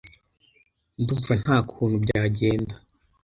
Ndumva nta kuntu byagenda.